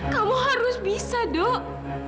kamu harus bisa dok